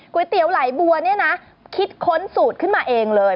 เตี๋ยวไหลบัวเนี่ยนะคิดค้นสูตรขึ้นมาเองเลย